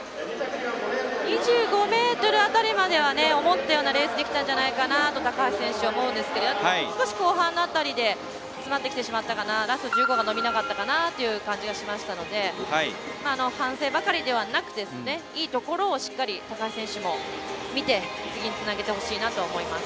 ２５ｍ辺りまでは思ったようなレースができたんじゃないかなと高橋選手は思うんですけど少し後半の辺りで詰まってきてしまったかなラスト１５、伸びなかったかなという感じがしましたので反省ばかりではなくですねいいところを高橋選手も見て次につなげてほしいなともいます。